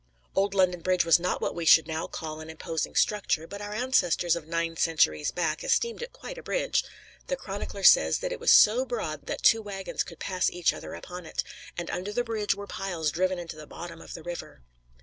Old London Bridge was not what we should now call an imposing structure, but our ancestors of nine centuries back esteemed it quite a bridge. The chronicler says that it was "so broad that two wagons could pass each other upon it," and "under the bridge were piles driven into the bottom of the river."